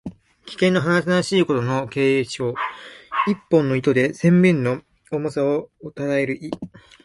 危険のはなはだしいことの形容。一本の糸で千鈞の重さを支える意。